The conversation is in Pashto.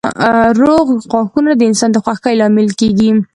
روغ غاښونه د انسان د خوښۍ لامل کېږي.